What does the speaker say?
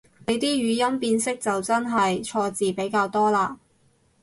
你啲語音辨識就真係錯字比較多嘞